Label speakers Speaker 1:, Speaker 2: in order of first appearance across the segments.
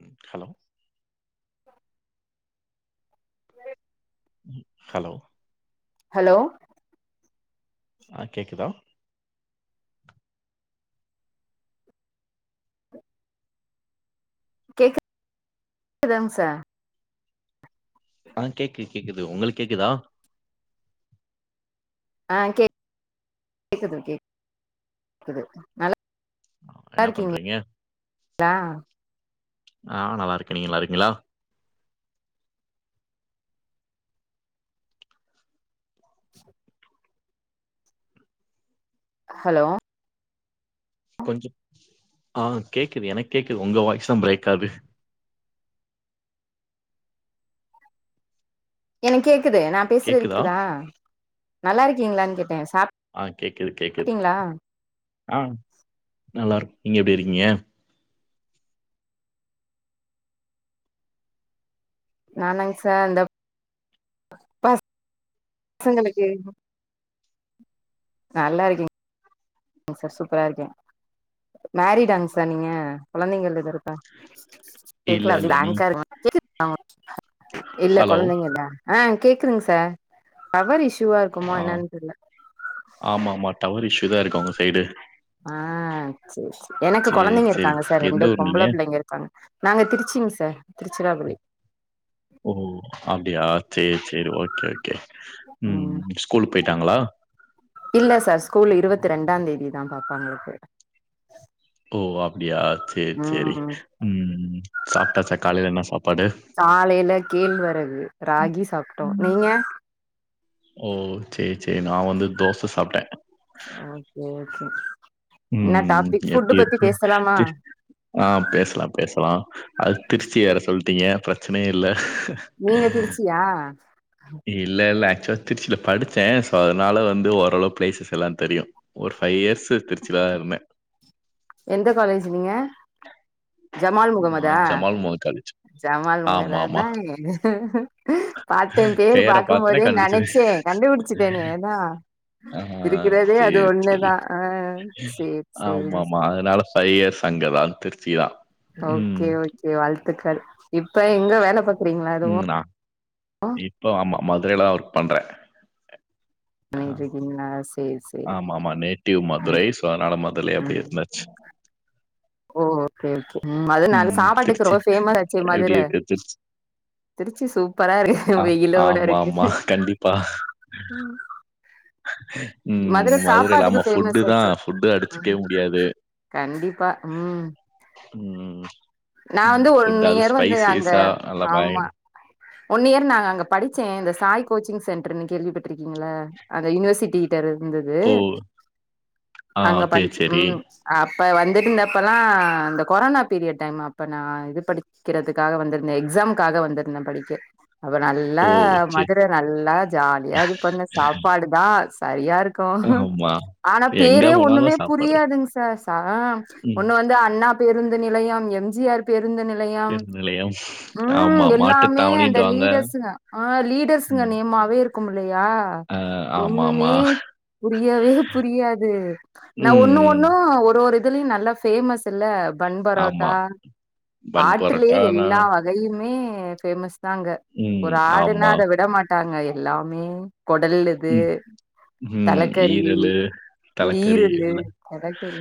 Speaker 1: ம் hello hello
Speaker 2: hello
Speaker 1: ஆ கேக்குதா
Speaker 2: குதுங் சார்
Speaker 1: ஆ கேக்குது கேக்குது உங்களுக்கு கேக்குதா
Speaker 2: ஆ கேக் கேக்குது கேக்குது நல்லா
Speaker 1: ன்னா
Speaker 2: இருக்கீங்களா
Speaker 1: பண்றீங்க நா நல்லா இருக்கே நீங்க நல்லா இருகிங்களா
Speaker 2: ஹலோ
Speaker 1: கொஞ்சம் ஆ கேக்குது எனக்கு கேக்குது உங்க வாய்ஸதா பிரேக் ஆது
Speaker 2: எனக் கேக்குது நா பேசுறது கேக்குதா நல்லா இருக்கீங்களான்னு கேட்டே சாப்
Speaker 1: ஆ கேக்குது கேக்குது ஆ நல்லாருக் நீங்க எப்டி இருக்கீங்க
Speaker 2: நானங்க சார் அந்த பஸ் சங்களுக்கு நல்லா இருக்கீங் இப்ப சூப்பரா இருக்கே மேரிடாங்க சார் நீங்க கொழந்தைங்கள் இரு
Speaker 1: இல்ல
Speaker 2: கேக்கல அப்டி
Speaker 1: இல்ல நீ
Speaker 2: பிலாங்கா இருக் இல்ல
Speaker 1: ஹலோ
Speaker 2: கொழந்தைங்க இல்ல ஆ கேக்குதுங் சார் டவர் இஷ்யூவா
Speaker 1: ஆ
Speaker 2: இருக்குமோ என்னான்னு தெர்ல
Speaker 1: ஆமா ஆமா டவர் இஷ்யூ தா இருக்கு அவங்க சைடு
Speaker 2: ஆ சேரிசேரி எனக்கு
Speaker 1: சேரி
Speaker 2: கொழந்தைங்க
Speaker 1: சேரி
Speaker 2: இருக்காங்க சார்
Speaker 1: எந்த
Speaker 2: ரெண்டு
Speaker 1: ஊர் நீங்க
Speaker 2: பொம்பள புள்ளைங்க இருக்காங்க நாங்க திருச்சிங் சார் திருச்சிராப்பள்ளி
Speaker 1: ஓ அப்டியா சேரி சேரி ஓகே ஓகே ம் ஸ்கூலு போயிட்டாங்களா
Speaker 2: இல்ல சார் ஸ்கூல் இருவத்தி ரெண்டாம் தேதி தா பாப்பாங்களுக்கு
Speaker 1: ஓ அப்டியா சேரி சேரி
Speaker 2: ம்
Speaker 1: ம் சாப்ட்டாச்சா காலையிலா என்னா சாப்
Speaker 2: காலையில கேழ் வரகு ராகி சாப்ட்டோ நீங்க
Speaker 1: ஓ சேரி சேரி நா வந்து தோச சாப்ட்டே
Speaker 2: ஓகே ஓகே ன்னா
Speaker 1: ம்.
Speaker 2: டாபிக்
Speaker 1: எப்படி
Speaker 2: ஃபுட்டு பத்தி
Speaker 1: இருக்கு?
Speaker 2: பேசலாமா
Speaker 1: தி ஆ பேசலா பேசலா அது திருச்சி வேற சொல்லிட்டீங்க பிரச்சனையே இல்ல
Speaker 2: நீங்க திருச்சியா
Speaker 1: இல்ல இல்ல ஆக்சுவலா திருச்சியில படிச்சே ஸோ அதனால வந்து ஓரளவு பிளேசஸ் எல்லா தெரியு ஒரு ஃபைவ் இயர்ஸ் திருச்சிலதா இருந்தே
Speaker 2: எந்த காலேஜ் நீங்க ஜமால் முகமதா
Speaker 1: நான் ஜமால் முஹமது காலேஜ்.
Speaker 2: ஜமால் முகமது
Speaker 1: ஆமா, ஆமா.
Speaker 2: அதாங்கே பாத்தே பே பேர்
Speaker 1: பேர
Speaker 2: பாக்கும்
Speaker 1: பார்த்தோனே
Speaker 2: போதே
Speaker 1: கண்டுபிடிச்சிருவேன்.
Speaker 2: நெனைச்சே கண்டுபுடிச்சுட்டேனே அதா
Speaker 1: ஆ
Speaker 2: இருக்கிறதே
Speaker 1: சரி,
Speaker 2: அது
Speaker 1: சரி.
Speaker 2: ஒன்னுதா அ சேரி சேரி
Speaker 1: பை இயர்ஸ் அசங்கதா திருச்சிதா
Speaker 2: ஓகே ஓகே வாழ்த்துக்கள் இப்ப எங்க வேல பாக்குறீங்களா எதுவு
Speaker 1: இப்ப ஆமா மதுரையிலா தா ஒர்க் பண்றே
Speaker 2: பண்ணீட்ருக்கீங்ளா சேரி சேரி
Speaker 1: ஆமா ஆமா நேட்டிவ் மதுரை சோ அதனால மதுரைலயே அப்டியே இருந்தாச்சு
Speaker 2: ஓ ஓகே ஓகே ம் அதுல்லாம
Speaker 1: ம்.
Speaker 2: சாப்பாட்டுக்கு
Speaker 1: திருச்சி
Speaker 2: ரொம்ப பேமஸ் ஆச்சே
Speaker 1: எப்டி
Speaker 2: மதுர
Speaker 1: இருக்கு திருச்சி?
Speaker 2: திருச்சி சூப்பரா இருக்கு
Speaker 1: ஆ
Speaker 2: வெயிலோட
Speaker 1: ஆமாமா.
Speaker 2: இருக்குது
Speaker 1: கண்டிப்பா.
Speaker 2: ம்
Speaker 1: ம்.
Speaker 2: மதுர
Speaker 1: மதுரையில
Speaker 2: சாப்பாட்டுக்கு
Speaker 1: ஆமா ஃபுட்டு தான்
Speaker 2: பேமஸாச்சே
Speaker 1: ஃபுட்டு அடிச்சுக்கவே முடியாது.
Speaker 2: கண்டிப்பா ம்
Speaker 1: ம்.
Speaker 2: நா
Speaker 1: ம்.
Speaker 2: வந்து
Speaker 1: ஃபுட்
Speaker 2: ஒன்னு
Speaker 1: அது
Speaker 2: இயர் வந்து அங்க
Speaker 1: ஸ்பைசஸா நல்லா பய
Speaker 2: ஆமா ஒன் இயர் நா அங்க படிச்சே இந்த சாய் கோச்சிங் சென்டர்ன்னு கேள்விப்பட்டிருக்கீங்கள அந்த யூனிவர்சிட்ட கிட்ட இருந்தது
Speaker 1: ஓ! ஆ
Speaker 2: அங்க
Speaker 1: சரி,
Speaker 2: படிச்
Speaker 1: சரி.
Speaker 2: ம் அப்ப வந்துட்டுருந்தப்பல்லா இந்த கொரோனா பீரியட் டைம் அப்ப நா இது படி க்கிறதுக்காக வந்துருந்தே எக்ஸாம்காக வந்துருந்தே படிக்க அப்ப நல்லா
Speaker 1: ஓ! சரி.
Speaker 2: மதுர நல்லா ஜாலியா இது பண்ண சாப்பாடுதா சரியாருக் கு
Speaker 1: ஆமா.
Speaker 2: ஆனா
Speaker 1: எங்க
Speaker 2: பேரே ஒண்ணுமே
Speaker 1: போனாலும் சாப்பாடு.
Speaker 2: புரியாதுங்க சார் சார்
Speaker 1: ம்.
Speaker 2: வந்து அண்ணா பேருந்து நிலையம் எம் ஜி ஆர் பேருந்து நிலையம்
Speaker 1: பேருந்து நிலையம்.
Speaker 2: ம்
Speaker 1: ஆமா.
Speaker 2: எல்லாமே அந்த
Speaker 1: மாட்டுத்தாவணின்டுவாங்க.
Speaker 2: லீடர்ஸுங்க ஆ லீடர்ஸ்ங்க
Speaker 1: ம்.
Speaker 2: நேமாவே இருக்குமில்லையா
Speaker 1: அ ஆமாமா.
Speaker 2: ஒண்ணுமே புரியவே புரியாது நா ஒன்னு
Speaker 1: ம்.
Speaker 2: ஒண்ணு ஒரு ஒரு இதுலயு நல்லா பேமஸ் இல்ல பன் பரோட்டா
Speaker 1: ஆமா. பன்
Speaker 2: ஆட்டுலேயே
Speaker 1: பரோட்டானா
Speaker 2: எல்லா வ கையுமே பேமஸ்தா அங்க ஒரு
Speaker 1: ம்.
Speaker 2: ஆடுனா
Speaker 1: ஆமா.
Speaker 2: அத விட மாட் டாங்க எல்லாமே குடல்லுது
Speaker 1: ம். ம்.
Speaker 2: தலைக்கறி
Speaker 1: ஈரலு,
Speaker 2: இங்க
Speaker 1: தலக்கறி
Speaker 2: ஈரல்லு
Speaker 1: எல்லாம்.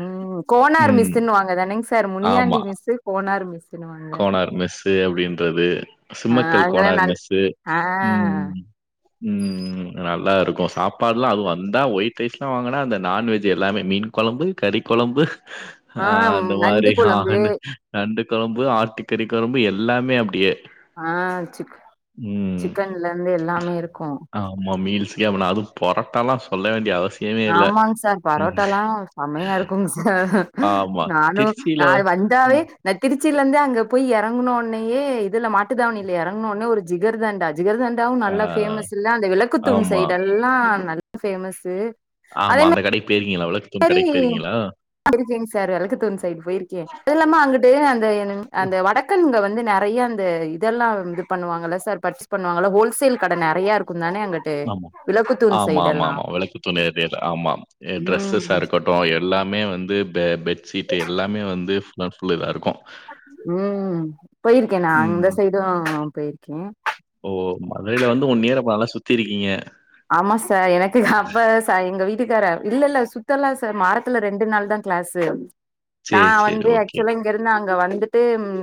Speaker 2: ம் கோனார்
Speaker 1: ம்.
Speaker 2: மெஸ்ஸுன் வாங்க தானேங் sir Muniyandi mess Konar mess
Speaker 1: Konar mess அப்டின்றது
Speaker 2: ஆ
Speaker 1: சிம்மக்கல்
Speaker 2: அங்கல்லா
Speaker 1: கோணார்
Speaker 2: நல்
Speaker 1: மெஸ்ஸு
Speaker 2: ஆ
Speaker 1: ம் ம் நல்லாருக்கு சாப்பால்லா அதுவு வந்தா ஒயிட் ரைஸ் எல்லா வாங்குனா அந்த நான்வெஜ் எல்லாமே மீன் கொழம்பு கறி கொழம்பு அ
Speaker 2: ஆ
Speaker 1: அந்த
Speaker 2: நண்டு
Speaker 1: மாதிரி
Speaker 2: கொழம்பு
Speaker 1: ஆனு நண்டு கொழம்பு ஆட்டுக்கறி கொழம்பு எல்லாமே அப்படியே
Speaker 2: ஆ சிக் சிக்கன்லருந்து எல்லாமே இருக்கு
Speaker 1: ஆ ஆமா மீல்ஸுகே அப்ப நா அது பொரட்டாலா சொல்ல வேண்டிய அவசி
Speaker 2: ஆமாங்க சார் பொரோட்டால்லா செம்மையாருக்குங்க சார்
Speaker 1: ஆமா.
Speaker 2: நானு
Speaker 1: திருச்சியில
Speaker 2: நா வந் தாவே
Speaker 1: ம்.
Speaker 2: நா திருச்சியிலருந்தே அங்க போய் இறங்கணோன்னயே இதுல மாட்டுதாவணில்ல இறங்கணோன்னே ஒரு ஜிகர்தண்டா ஜிகர்தண்டாவும
Speaker 1: ஆ.
Speaker 2: நல்லா பேமஸ்ல்ல அந்த விளக்குத்தூன்
Speaker 1: ஆமா.
Speaker 2: சைடல்லா நல்ல ஃபேமஸ்ஸு
Speaker 1: ஆமா அந்த கடைக் பேயிருக்கீங்களா அவ்ளோக்
Speaker 2: செரி போயிருக்கேங் சார் வெளக்கத்தூன் சைடு போயிருக்கே அதுல்லாம அங்குட்டு அந்த அந்த வடக் க்கன்கள் வந்து நறைய அந்த இதெல்லா இது பண்ணுவாங்கள சார் பர்ச்சேஸ் பண்ணுவாங்க ஹோல்சேல் கடை நறையாருக்கு தான அங்கட்
Speaker 1: ஆமா ஆமாமா ஆமா வெளக்குதூன் ஏரியால ஆமா
Speaker 2: ம்
Speaker 1: டிரெஸ்ஸஸாருக்கு ட்டு எல்லாமே வந்து பெ பெட்ஷீட்டு எல்லாமே வந்து நா சொல்லிதாருக்கு
Speaker 2: ம் போயிருக்கே நா
Speaker 1: ம்.
Speaker 2: அந்த சைடு போயிருக்கே
Speaker 1: ஓ மதுரையில வந்து ஒன்னியரா நல்லா சுத்திருக்கீங்க
Speaker 2: ஆமா சார் எனக்கு அப்ப எங்க வீட்டுக்கார இல்லல்ல சுத்தல்லா சார் மாரத்துல ரெண்டு நாள் தாங் கிளாஸு நா
Speaker 1: சரி, சரி.
Speaker 2: வந்து
Speaker 1: ஓகே.
Speaker 2: ஆக்சுவலா இங்கருந்து அங்க வந்துட்டு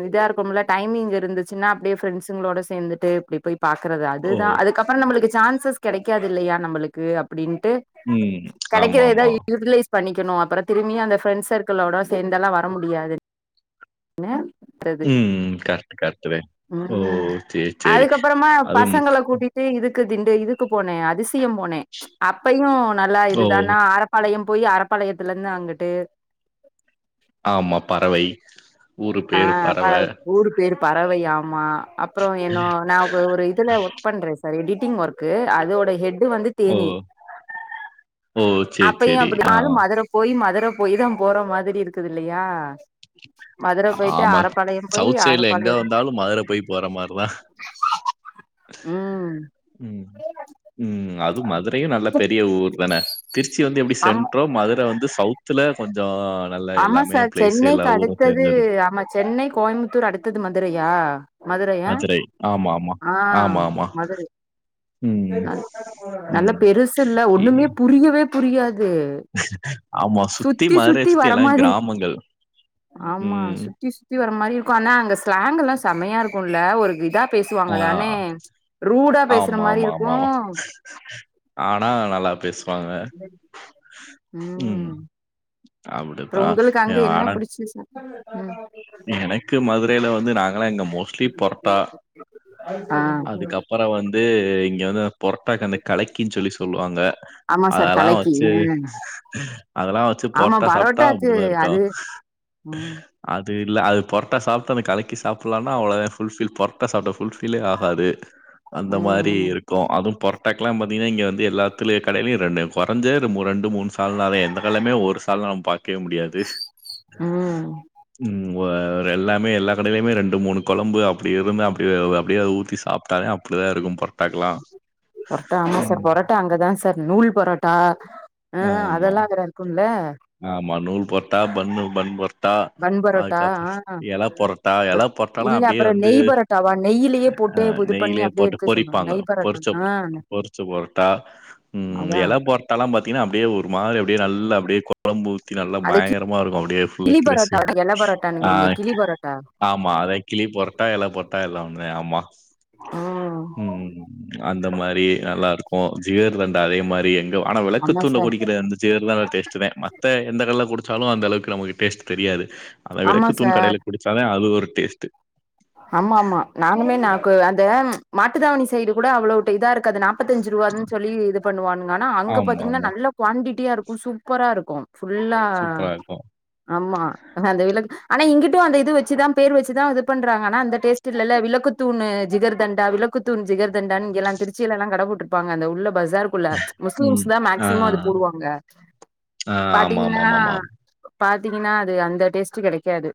Speaker 2: இதாருக்குல்ல டைமிங் இருந்துச்சுன்னா அப்படியே ஃப்ரண்டஸுங்களோட சேந்துட்டு இப்படி போய் பாக்கறது
Speaker 1: ஓ!
Speaker 2: அதுதா அதுக்கப்புறோ நம்மளுக்கு சான்சஸ் கெடைக்காதில்லையா நம்மளுக்கு அப்படின்ட்டு
Speaker 1: ம்.
Speaker 2: கடைக்கேறத
Speaker 1: ஆமாமா.
Speaker 2: ஏதாவுது [unintelligible] பண்ணிக்கணு அப்புறோ திரும்பி அந்த ஃப்ரெண்ட்ஸ் சர்க்களோட சேர்ந்தல்லா வர முடியாது ன அது
Speaker 1: ம் கரட் கரட்டுதே
Speaker 2: உம் அதுக்கப்புறமா
Speaker 1: அதுவும்
Speaker 2: பசங்கள கூட்டி ட்டு இதுக்கு திண்டு இதுக்கு போனேன் அதிசயம் போனேன் அப்பையும் நல்லா
Speaker 1: ஓ!
Speaker 2: இதுதானா ஆர பாளையம் போய் அரப்பாளையத்துல இருந்து அங்கிட்டு
Speaker 1: ஆமா பறவை ஊரு
Speaker 2: ஆ
Speaker 1: பேரு பறவ.
Speaker 2: பறவை ஊரு பேரு பறவையாமா அப்புற என்னோ நா ஒரு இதுல ஒர்க் பண்ற சார் எடிட்டிங் ஒர்க் அதோட ஹெட்டு வந்து
Speaker 1: ஓ!
Speaker 2: தேனி
Speaker 1: ஓ! சரி,
Speaker 2: அப்பயு
Speaker 1: சரி. ஆ.
Speaker 2: அப்டினாலும் மதுர போய் மதுர போய் தா போற மாதிரி இருக்குது இல்லையா மதுர போயிட்டு
Speaker 1: ஆமா
Speaker 2: அரப்பாளையம் போய்
Speaker 1: சவுத் சைட்ல எங்க
Speaker 2: அரப்பாளையம்
Speaker 1: வந்தாலு மதுர போய் போற மாதிரிதா
Speaker 2: ம்
Speaker 1: ம் ம் அது மதுரயு நல்ல பெரிய ஊர்தான திருச்சி வந்து எப்டி
Speaker 2: ஆமா
Speaker 1: சென்றோ மதுர வந்து சவுத்துல கொஞ்சோ
Speaker 2: ஆம்மா சார் சென்னை அடுத்தது ஆமா சென்னை கோயம்புத்தூர் அடுத்தது மதுரயா மதுரய
Speaker 1: மதுரை. ஆமாமா.
Speaker 2: ஆ
Speaker 1: ஆமாமா.
Speaker 2: மதுரை
Speaker 1: ம்.
Speaker 2: ந நல்ல
Speaker 1: ம்.
Speaker 2: பெருசுல
Speaker 1: இ
Speaker 2: ஒன்னுமே புரியவே புரியாது
Speaker 1: ஆமா.
Speaker 2: சுத்தி
Speaker 1: மதுரைய
Speaker 2: சுத்தி
Speaker 1: எல்லாம்
Speaker 2: வரமாரி
Speaker 1: கிராமங்கள்.
Speaker 2: ஆமா சுத்
Speaker 1: ம்.
Speaker 2: சுத்தி சுத்தி வர மாரி இருக்கும் ஆனா அங்க ஸ்லாங்க் எல்லா செமையா இருக்கும்ல ஒரு விதா
Speaker 1: ஆ.
Speaker 2: பேசுவாங்கதானே ரூடா பேசுற மாரி இருக்
Speaker 1: ஆ ஆனா நல்லா பேசு ம்.
Speaker 2: உம் அப்றோ
Speaker 1: அப்படித்தான்.
Speaker 2: ஒங்களுக்கு அங்க என்ன
Speaker 1: ஆனா
Speaker 2: புடிச்சுச்சு ம்
Speaker 1: எனக்கு மதுரையில வந்து நாங்கல இங்க மோஸ்ட்லி பொரோட்டா
Speaker 2: ஆ
Speaker 1: அதுகப் புறோ வந்து இங்க வந்து பொராட்டாக் அந்த கலக்கின்னு சொல்லி சொல்லுவாங்க
Speaker 2: ஆமா சார்
Speaker 1: அதலா
Speaker 2: கலக்கி
Speaker 1: வச்சு
Speaker 2: ம்
Speaker 1: அதலா வச்சு
Speaker 2: ஆமா
Speaker 1: பொர்ட்டா சாப்ட்டா
Speaker 2: பரோட்டாக்கு
Speaker 1: அப்டிதா இருக்கொ
Speaker 2: அது ம்
Speaker 1: அது இல்ல அது பொரட்டா சாப்பட்டு அ கலக்கிஸ சாப்லனா அவ்ளோதா ஃபுல்ஃபில் பொரட்டா சாப்ட்ட ஃபுல்ஃபில்லே ஆகாது அந்த மாரி
Speaker 2: ம் ம்
Speaker 1: இருக்கொ அதுவும் பொர் டாக்கெலாம் பாத்தீங்கன்னா இங்க வந்து எல்லாத்து கடையில ரெண்டு கொறஞ்ச ரெண்டு மூனு சால்னா தா எந்த கட்லயு நா ஒரு சால்ன பாக் ககே முடியாது
Speaker 2: ம்
Speaker 1: ம் ஒ ஒரு எல்லாமே எல்லா கடையிலுமே ரெண்டு மூனு கொழம்பு அப்டி இருந்து அப்டி அப்டியே ஊத்தி சாப்ட்டாலே அப் அப்டிதா இருக்கு பொர்டாக்கலா
Speaker 2: பொர்ட்டா ஆமா சார் பொரோட்டா அங்கதா சார் நூல் பொரோட்டா ஆ அதெல்லா அங்க தா இருக்கூல
Speaker 1: ஆமா‌‌ நூல் பொர்ட்டா பன்னு பன் பொர் ட்டா
Speaker 2: பன் பரோட்டா
Speaker 1: அதுகப்றம்
Speaker 2: ஆ
Speaker 1: எல பொர்ட்டா
Speaker 2: அப்புற
Speaker 1: எல பொர்ட்டாலா
Speaker 2: இல்ல
Speaker 1: அப்டியே
Speaker 2: அப்புற
Speaker 1: வந்து
Speaker 2: நெய் பரோட்டாவா நெய்யிலயே
Speaker 1: ஆ
Speaker 2: போட்டு இது பண்ணி
Speaker 1: நெய்லயே
Speaker 2: அப்படியே
Speaker 1: போட்டு
Speaker 2: எடுத்து சொல்ற
Speaker 1: பொறிப்பாங்க
Speaker 2: நெய் பரோட்டா
Speaker 1: பொறிச்ச
Speaker 2: ஆ
Speaker 1: பொற் பரோட்டா ம்
Speaker 2: அதா
Speaker 1: எல போட்டால்லா பாத்தீங்கன்னா அப்டியே ஒரு மாதரி அப்டே நல்லா அப்டே கொ ழம்பு ஊத்தி நல்லா
Speaker 2: அத கி-
Speaker 1: பயங்கரமா இருக்கு அப்டே ஃபுல்லா
Speaker 2: கிளி பரோட்டா
Speaker 1: [unintelligible]
Speaker 2: எல
Speaker 1: ஆ
Speaker 2: பரோட்டானுங்கிறீங்க கிளி பரோட்டா
Speaker 1: ஆமா அதே கிளி பொரட்டா இல பொரட்டா எல்லா ஒண்ணே ஆமா
Speaker 2: ம்
Speaker 1: ம் அந்த மாரி நல்லா இருக்கொ ஜிகர்தண்டா அதே மாரி எங்க வா ஆனா. விளக்கு
Speaker 2: ஆமா
Speaker 1: தூண்ல
Speaker 2: சார்
Speaker 1: குடிக்ற அந்த ஜிகர்தண்டா டேஸ்டுதே த எந்த கடல்ல குடுச்சாலும் அந்த அளவுக்கு நமக்கு டேஸ்ட் தெரியாது அந்த
Speaker 2: ஆமா
Speaker 1: வெளக்கு தூண்
Speaker 2: சார்
Speaker 1: கடையில குடி ச்சாலே அது ஒரு டேஸ்ட்டு
Speaker 2: ஆமா ஆமா நானுமே நாக்கு அந்த மாட்டுதாவணி சைடு கூட அவ்ளோட்டு இதா இருக்காது நாப் பத்தஞ்சிருவான் சொல்லி இது பண்ணுவானுங் ஆனா அங்க பாத்தீங்னா
Speaker 1: ஆமாமா.
Speaker 2: நல்லா குவான்டிட்டியா இருக்கு சூப்பரா இருக்கு ஃபுல்லா
Speaker 1: சூப்பரா இருக்கும்.
Speaker 2: ஆமா அந்த விலக் ஆனா இங்கிட்டு அந்த இது வச்சுதா பேர் வச்சுதா இது பண்றாங்கனா அந்த டேஸ்ட்டு இல்லல விளக்கு தூணு ஜிகர்தண்டா விளக்கு தூண் ஜிகர்தண்டான் இங்கல்லா திருச்சிலலா கட போட்டு ப்பாங்க அந்த உள்ள பசார் குள்ள முஸ்லிம்ஸ்
Speaker 1: ம்.
Speaker 2: தா
Speaker 1: ஆ,
Speaker 2: மேக்சிமம் அது போடுவாங்க
Speaker 1: ஆ.
Speaker 2: பாத்தீங்கன்னா
Speaker 1: ஆமாமாமாமா.
Speaker 2: பாத்தீங்கன்னா அது அந்த டேஸ்ட் கெடைக்காது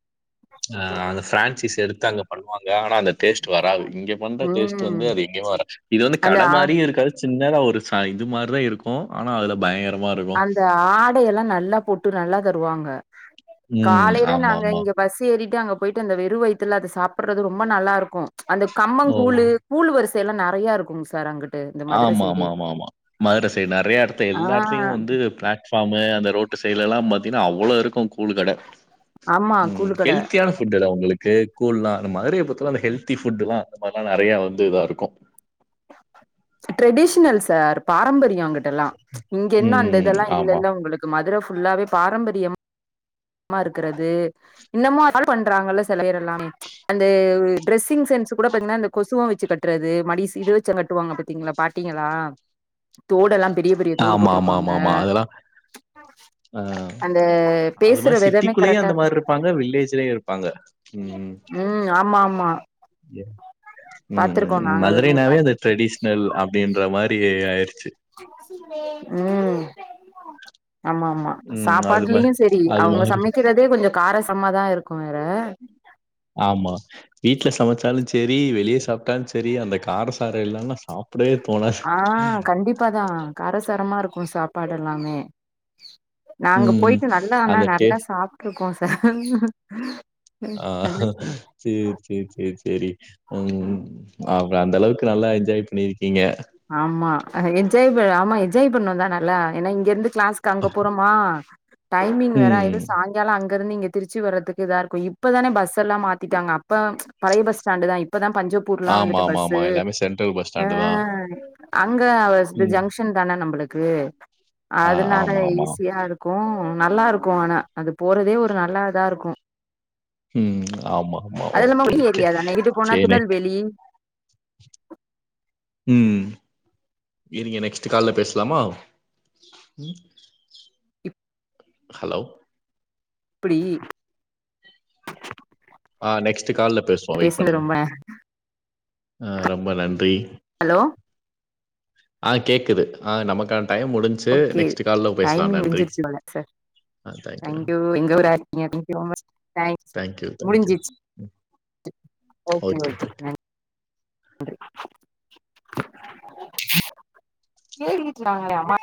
Speaker 1: ஆ அந்த பிரான்சிஸ் எடுத்து அங்க பண்ணுவாங்க ஆனா அந்த டேஸ்ட் வராது இங்க பண்ற டேஸ்ட்
Speaker 2: ம்
Speaker 1: வந்து அது எங்கேயு வராது இது வந்து
Speaker 2: அந்த
Speaker 1: கட
Speaker 2: ஆ
Speaker 1: மாரியு இருக்காது சின்னதா ஒருச இது மாரிதா இருக்கு ஆனா அதுல பயங்கரமா இருக்கு
Speaker 2: அந்த ஆட எல்லா நல்லா போட்டு நல்லா தருவாங்க
Speaker 1: ம்.
Speaker 2: காலையில நாங்க
Speaker 1: ஆமாமா.
Speaker 2: இங்க பஸ் ஏறிட்டு அங்க போயிட்டு அந்த வெறு வயித்துல அத சாப்பிட்றது ரொம்ப நல்லா இருக்கு அந்த கம்ம
Speaker 1: ஓ!
Speaker 2: கூழ் கூழ் வரிசை எல்லா நெறயா இருக்குங்க சார் அங்கிட்
Speaker 1: ஆமா ஆமா ஆமா ஆமா மதுர சைட் நெறயா எடத்து எல்லா
Speaker 2: ஆ
Speaker 1: எத்தலையு வந்து பிளாட் ஃபாமு அந்த ரோட்டு சைட்ல எல்லா பாத்தீங்கனா அவ்ளோ இருக்கு கூழ் கட
Speaker 2: ஆமா
Speaker 1: ம்
Speaker 2: கூழுக்கட
Speaker 1: ஹெல்த்தியான ஃபுட்டுலா உங்களுக் கேக்கும்ல அந்த மாதிரி பாத்தினா அந்த ஹெல்த்தி ஃபுட்டுலா அந்த மாரிலா நெறய வந்து இதா இருக்கோ
Speaker 2: ட்ரெடிஷ்னல் சார் பாரம்பரிய அங்குட் டல்லா இங்க என்ன அந்த
Speaker 1: ம்.
Speaker 2: இதெல்லா இங்க
Speaker 1: ஆமா.
Speaker 2: இல்ல உங்களுக்கு மதுர ஃபுல்லாவே பாரம்பரியம் மா இருக்கறது இன்னமு அத பண்றாங்கல்ல சில பேர் எல்லாமே அந்த டிரெஸிங் சென்ஸ்ஸு கூட பாத்தீங்ன்னா அந்த கொசுவம் வச்சு கட்றது மடி சி இது வச்சு கட்டுவாங்க பாத்தீங்ளா பாட்டீங்களா தோடெல்லாம் பெரிய பெரிய தோடு
Speaker 1: ஆமா, ஆமா,
Speaker 2: போட்ருப்பாங்க
Speaker 1: ஆமா, ஆமா. அதெல்லாம் அ
Speaker 2: அந்த
Speaker 1: அது
Speaker 2: பேசுற
Speaker 1: மாரி
Speaker 2: விதமே
Speaker 1: சிட்டிக்குள்ளயு
Speaker 2: கரெக்டா
Speaker 1: அந்த
Speaker 2: இருக்கு
Speaker 1: மாரி இருப்பாங்க வில்லேஜ்லயு இருப்பாங்க ம் ம்
Speaker 2: ம் ஆமாமா
Speaker 1: ம் ம்
Speaker 2: நாங்களுமே
Speaker 1: மதுரைனாவே அது ஒரு
Speaker 2: பாத்துருக்கோ
Speaker 1: ட்ரெடிஷ் னல் அப்டின்ற மாரி ஆயிடுச்சு
Speaker 2: ம் ஆமாமா
Speaker 1: ம். அது மாரி
Speaker 2: சாப்பாட்லயு செரி
Speaker 1: அது
Speaker 2: அவங்க
Speaker 1: மாரி.
Speaker 2: சமைக்கிறதே கொஞ்சோ காரசம்மாதா இருக்கு வேற
Speaker 1: ஆமா வீட்ல சமச்சாலு சேர் ரி வெளியே சாப்ட்டாலு செரி அந்த காரசாரோ இல்லாம சாப் ப்டவே தோணாத்
Speaker 2: ஆ கண்டிப்பாதா காரசாரமா இருக்கு சாப்பாடெல்லாமே நாங்க
Speaker 1: ம்.
Speaker 2: போயிட்டு நல்லா ஆனா
Speaker 1: அந்த
Speaker 2: நல்லா
Speaker 1: டேஸ்ட்
Speaker 2: சாப்ட்ருக்கோ சார் ம் நல்ல ருசி
Speaker 1: சேர் சேர் சேர் செரி ம் அவங்க அந்த அளவுக்கு நல்லா என்ஜாய் பண்ணிருக்கீங்க
Speaker 2: ஆமா என்ஜாய் ஆமா என்ஜாய் பண்ணோ தா நல்லா ஏன்னா இங்க இருந்து கிளாஸ்க் அங்க போறோமா டைமிங் வேற ஆயிடு
Speaker 1: ம்.
Speaker 2: சாய்ங்கால அங் கருந்து இங்க திருச்சி வர்றதுக்கு இதா இருக்கு இப்பதான பஸ் எல்லா மாத்திட்டாங்க அப்ப பழைய பஸ் ஸ்டாண்ட் தா இப்பதா பஞ்சோப் பூர்லா
Speaker 1: ஆமா,
Speaker 2: வந்துட்டு
Speaker 1: ஆமா, ஆமா.
Speaker 2: பஸ்ஸு
Speaker 1: எல்லாமே சென்ட்ரல் பஸ்
Speaker 2: ஆ
Speaker 1: ஸ்டாண்டு தான்.
Speaker 2: அங்க
Speaker 1: ம்.
Speaker 2: ஜங்ஷன் தான நம்பளுக்கு
Speaker 1: ஆ
Speaker 2: அதனால
Speaker 1: ஆமா, ஆமா.
Speaker 2: ஈஸியா இருக் க்கு நல்லா இருக்கு ஆனா அது போறதே ஒரு நல்லா இதா இருக்கு
Speaker 1: ம் ஆமா ஆமா
Speaker 2: அது இல்லாம
Speaker 1: ஓகே
Speaker 2: உங்க
Speaker 1: ஓகே
Speaker 2: ஏரியா தானே இங்கிட்டு போனா
Speaker 1: செர்
Speaker 2: திருநெல்வேலி
Speaker 1: ம் இருங்க நெக்ஸ்ட்டு கால்ல பேசலாமா ம்
Speaker 2: ம்
Speaker 1: ஹலோ
Speaker 2: எப்பிடி
Speaker 1: ஆ நெக்ஸ்ட்டு கால்ல பேசுவோ வெயிட்
Speaker 2: பேசுனது
Speaker 1: பண்ணுங்க
Speaker 2: ரொம்ப
Speaker 1: ஆ ரொம்ப நன்றி
Speaker 2: ஹலோ
Speaker 1: ஆ கேக்குது ஆ நமக்கான டைம் முடின்ச்சு
Speaker 2: ஓகே
Speaker 1: நெக்ஸ்ட்டு கால்ல பேஸ்லா
Speaker 2: டைமிங்
Speaker 1: நன்றி
Speaker 2: முடிஞ்சிருச்சு போல சார் தேங்க்யூ எங்க ஊராக்கீங்க thank you so much thanks
Speaker 1: thank you, thank you.
Speaker 2: முடிஞ்சிச்சி
Speaker 1: ம்.
Speaker 2: ஓகே ஓகே நன் ஏறிக்கட்டுக்காங்களாமா